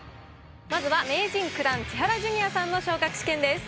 まずは名人９段千原ジュニアさんの昇格試験です。